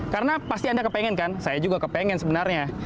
karena pasti anda kepengen kan saya juga kepengen sebenarnya